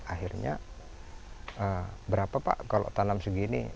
akhirnya berapa pak kalau tanam segini